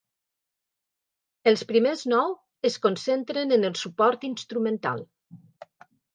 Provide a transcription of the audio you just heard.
Els primers nou es concentren en el suport instrumental.